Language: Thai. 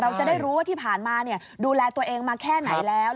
จะได้รู้ว่าที่ผ่านมาดูแลตัวเองมาแค่ไหนแล้ว